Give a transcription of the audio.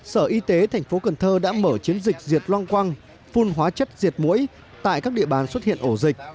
sở y tế thành phố cần thơ đã mở chiến dịch diệt loang quang phun hóa chất diệt mũi tại các địa bàn xuất hiện ổ dịch